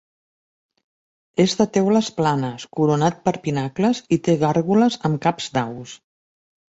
És de teules planes, coronat per pinacles i té gàrgoles amb caps d'aus.